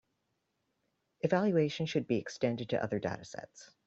Evaluation should be extended to other datasets.